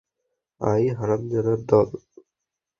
আয়, হারামজাদার দল।